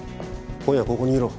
今夜はここにいろ。